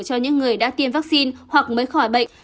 cho những người đã tiêm vaccine hoặc mới khỏi bệnh